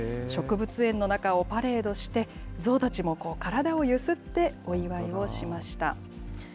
植物園の中をパレードして、象たちも体をゆすってお祝いをしました。